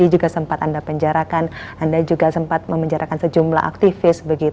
anda juga sempat memenjarakan sejumlah aktivis